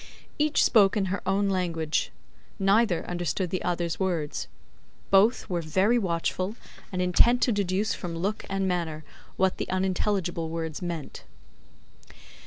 Each spoke in her own language; neither understood the other's words; both were very watchful, and intent to deduce from look and manner, what the unintelligible words meant.